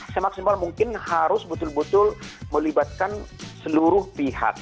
semaksimal mungkin harus betul betul melibatkan seluruh pihak